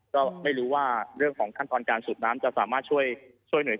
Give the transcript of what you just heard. ก็ไม่รู้ว่าเรื่องของขั้นตอนการสูบน้ำจะสามารถช่วยหน่วย